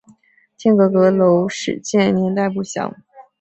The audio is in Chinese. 天心阁阁楼始建年代不详。